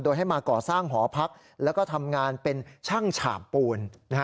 โดยให้มาก่อสร้างหอพักแล้วก็ทำงานเป็นช่างฉาบปูน